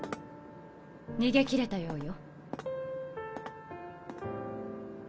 逃げきれたようよ。